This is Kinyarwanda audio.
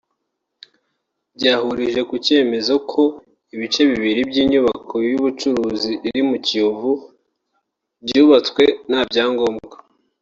byahurije ku cyemezo ko ibice bibiri by’inyubako y’ubucuruzi iri mu Kiyovu byubatswe nta byangombwa